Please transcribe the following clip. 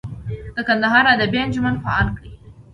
د کندهاري ادبي انجمن فعال غړی.